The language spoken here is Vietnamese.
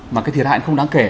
mà cái thiệt hại không đáng kể